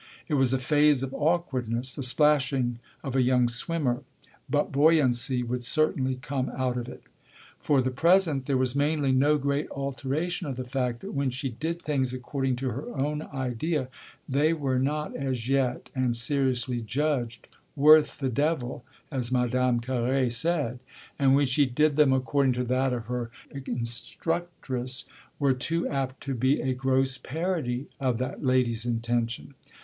It was a phase of awkwardness, the splashing of a young swimmer, but buoyancy would certainly come out of it. For the present there was mainly no great alteration of the fact that when she did things according to her own idea they were not, as yet and seriously judged, worth the devil, as Madame Carré said, and when she did them according to that of her instructress were too apt to be a gross parody of that lady's intention.